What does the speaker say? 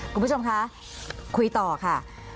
คุณผู้ชมค่ะคุยต่อแล้วค่ะ